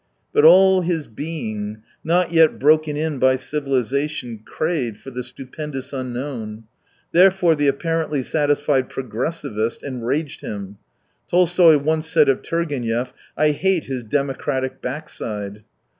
But all his being, not yet broken in by civilisation, craved for the stupendous unknown. There fore, the apparently satisfied progressivist enraged him. Tolstoy once said of Turgenev :" I hate his democratic backside."